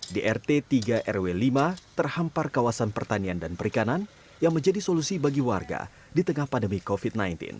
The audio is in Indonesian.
di rt tiga rw lima terhampar kawasan pertanian dan perikanan yang menjadi solusi bagi warga di tengah pandemi covid sembilan belas